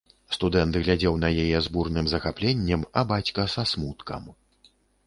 Студэнт глядзеў на яе з бурным захапленнем, а бацька са смуткам.